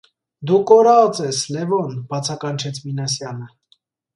- Դու կորա՜ծ ես, Լևոն,- բացականչեց Մինասյանը: